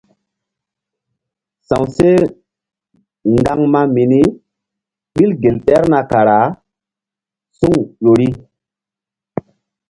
Sa̧w seh ŋgaŋma mini ɓil gel ɗerna kara suŋ ƴo ri.